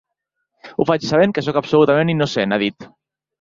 Ho faig sabent que sóc absolutament innocent, ha dit.